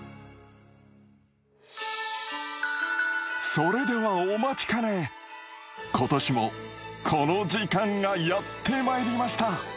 それではお待ちかね今年もこの時間がやってまいりました